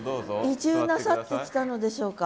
移住なさってきたのでしょうか？